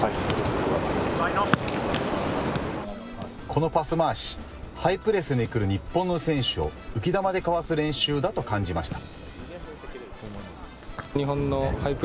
このパス回し、ハイプレスに来る日本の選手を浮き球でかわす練習だと感じました。